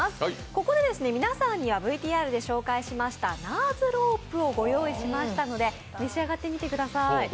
ここで皆さんにはＶＴＲで紹介したナーズロープを御用意しましたので召し上がってみてください。